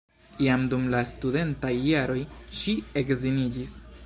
Jam dum la studentaj jaroj ŝi edziniĝis.